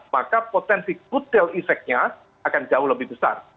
maka potensi putel iseknya akan jauh lebih besar